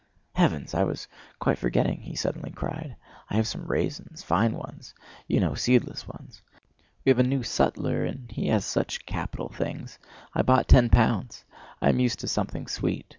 "Heavens! I was quite forgetting!" he suddenly cried. "I have some raisins, fine ones; you know, seedless ones. We have a new sutler and he has such capital things. I bought ten pounds. I am used to something sweet.